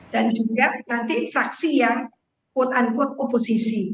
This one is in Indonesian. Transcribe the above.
dan juga nanti fraksi yang quote unquote oposisi